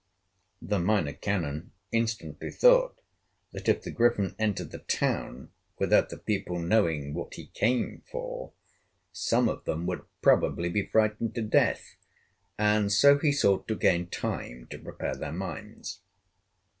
The Minor Canon instantly thought that if the Griffin entered the town without the people knowing what he came for, some of them would probably be frightened to death, and so he sought to gain time to prepare their minds.